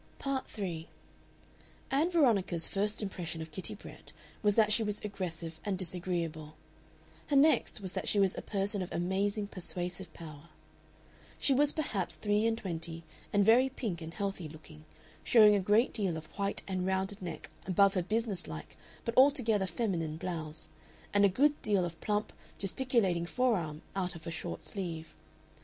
Part 3 Ann Veronica's first impression of Kitty Brett was that she was aggressive and disagreeable; her next that she was a person of amazing persuasive power. She was perhaps three and twenty, and very pink and healthy looking, showing a great deal of white and rounded neck above her business like but altogether feminine blouse, and a good deal of plump, gesticulating forearm out of her short sleeve.